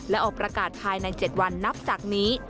และออกประกาศภายใน๗วันนับจากนี้